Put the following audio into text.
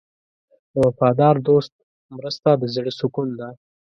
د وفادار دوست مرسته د زړه سکون ده.